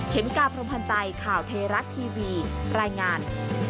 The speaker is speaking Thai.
เมกาพรมพันธ์ใจข่าวเทราะทีวีรายงาน